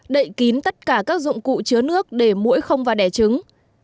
một đậy kín tất cả các dụng cụ chứa nước để mũi không và đẻ trứng